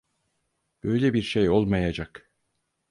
Böyle bir şey olmayacak.